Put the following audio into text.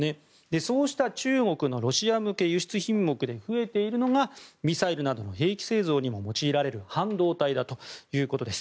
そうした中国のロシア向け輸出品目で増えているのが、ミサイルなどの兵器製造にも用いられる半導体だということです。